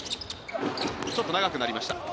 ちょっと長くなりました。